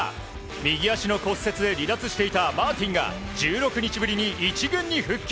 右足の骨折で離脱していたマーティンが１６日ぶりに１軍に復帰。